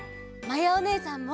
まやおねえさんも！